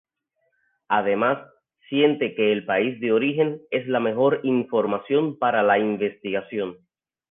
Además, siente que el país de origen es la mejor información para la investigación.